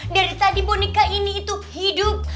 dari tadi boneka ini itu hidup